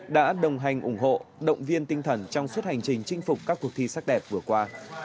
đã đồng hành ủng hộ động viên tinh thần trong suốt hành trình chinh phục các cuộc thi sắc đẹp vừa qua